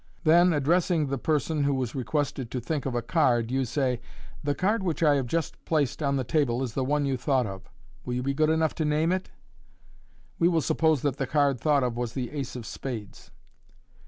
Then, addressing the person who was requested to think of a card, you say, " The card which 1 have just placed on the table is the one you thought of. Will you bt good enough to name it ?" We will suppose that the card thought of was the ace of spades.